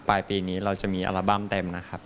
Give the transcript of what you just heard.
ปลายปีนี้เราจะมีอัลบั้มเต็มนะครับ